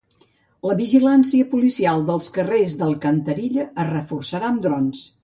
La vigilància policial dels carrers d'Alcantarilla es reforçarà amb drons.